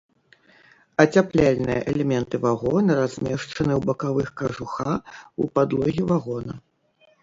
Ацяпляльныя элементы вагона размешчаны ў бакавых кажуха ў падлогі вагона.